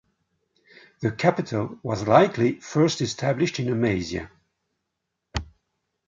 The capital was likely first established in Amasia.